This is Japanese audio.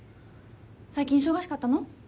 最近忙しかったの？